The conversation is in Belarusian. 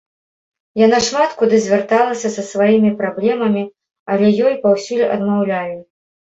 Яна шмат куды звярталася са сваімі праблемамі, але ёй паўсюль адмаўлялі.